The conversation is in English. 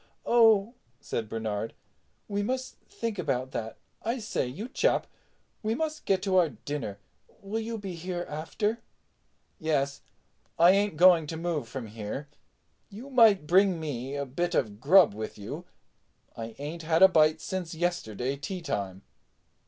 "Oh," said Bernard, "we must think about that. I say, you chap, we must get to our dinner. Will you be here after?" "Yes. I ain't going to move from here. You might bring me a bit of grub with you—I ain't had a bite since yesterday teatime."